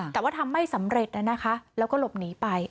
แต่ว่าทำไม่สำเร็จนะคะแล้วก็หลบหนีไป